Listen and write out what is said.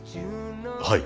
はい。